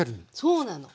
そうなの。